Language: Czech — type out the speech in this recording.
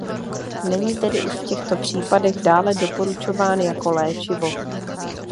Není tedy už v těchto případech dále doporučován jako léčivo.